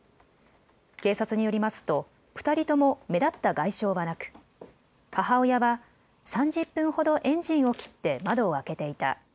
警察によりますと２人とも目立った外傷はなく母親は３０分ほどエンジンを切って窓を開けていた。